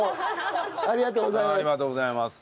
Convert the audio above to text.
ありがとうございます。